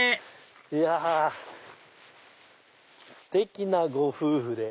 いやステキなご夫婦で。